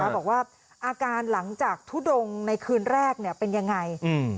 บอกว่าอาการหลังจากทุดงในคืนแรกเป็นยังไง